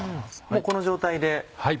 もうこの状態で。